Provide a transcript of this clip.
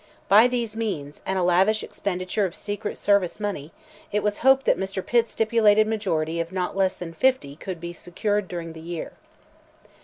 By these means, and a lavish expenditure of secret service money, it was hoped that Mr. Pitt's stipulated majority of "not less than fifty" could be secured during the year.